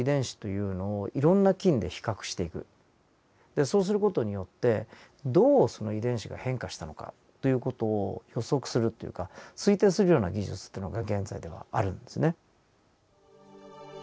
でそうする事によってどうその遺伝子が変化したのかという事を予測するというか推定するような技術というのが現在ではあるんですね。